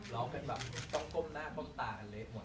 ร้องกันแบบต้องก้มหน้าก้มตากันเละหมด